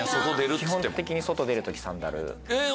基本的に外出る時サンダル。